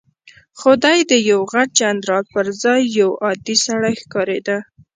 خو دی د یوه غټ جنرال پر ځای یو عادي سړی ښکارېده.